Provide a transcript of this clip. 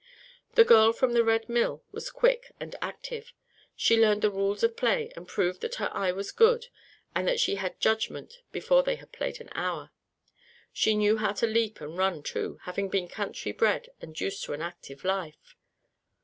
The girl from the Red Mill was quick and active. She learned the rules of play and proved that her eye was good and that she had judgment before they had played an hour. She knew how to leap and run, too, having been country bred and used to an active life.